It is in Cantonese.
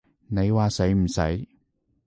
你話死唔死？